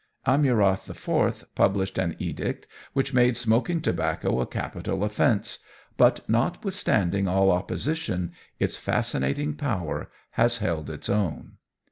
Amurath IV published an edict which made smoking tobacco a capital offence; but, notwithstanding all opposition, its fascinating power has held its own.